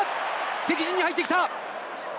敵陣に入ってきた！